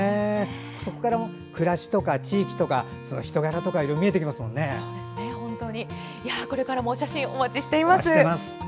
そこから暮らしとか、地域とか人柄とかこれからもお写真お待ちしています。